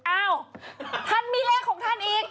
อ้าวท่านมีเลขของท่านอีก